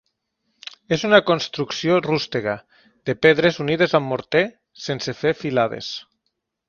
És una construcció rústega de pedres unides amb morter sense fer filades.